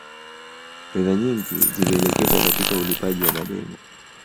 Fedha nyingi zilielekezwa katika ulipaji wa madeni